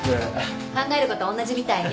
考えること同じみたいね。